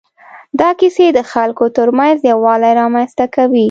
دا کیسې د خلکو تر منځ یووالی رامنځ ته کوي.